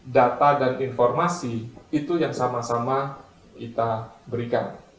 data dan informasi itu yang sama sama kita berikan